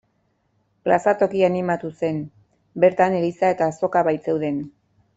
Plaza toki animatu zen, bertan eliza eta azoka baitzeuden.